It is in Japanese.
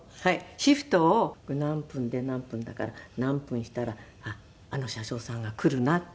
シフトを何分で何分だから何分したらあっあの車掌さんが来るなって。